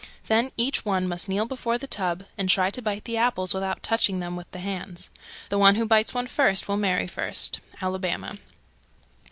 Then each one must kneel before the tub and try to bite the apples without touching them with the hands. The one who bites one first will marry first. _Alabama.